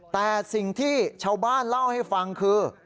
แต่สิ่งที่ชาวบ้านเล่าให้ฟังคือ